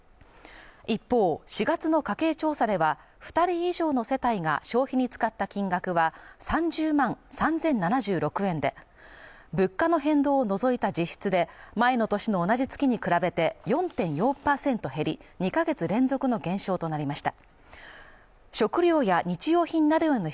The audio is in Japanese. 一方、４月の家計調査では、２人以上の世帯が消費に使った金額は３０万３０７６円で、物価の変動を除いた実質で、前の年の同じ月に比べて４．４％減り、２か月連続の減少となりました。